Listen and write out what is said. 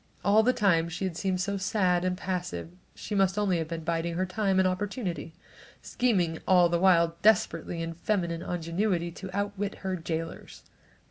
All the time she had seemed so sad and passive she must have been only biding her time and opportunity, scheming all the while desperately in feminine ingenuity to outwit her jailors.